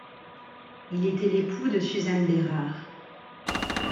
Il était l'époux de Suzanne Bérard.